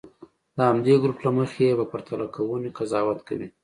د همدې ګروپ له مخې یې په پرتله کوونې قضاوت کوي.